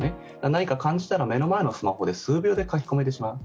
何か感じたら目の前のスマホで数秒で書き込めてしまう。